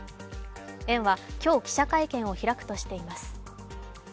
園は今日記者会見を開くとしています。